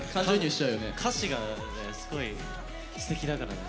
歌詞がすごいすてきだからね。